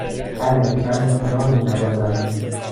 بله، من گیتار می نوازم.